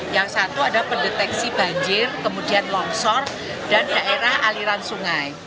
yang satu ada pendeteksi banjir kemudian longsor dan daerah aliran sungai